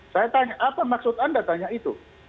saya tanya apa maksud anda tanya itu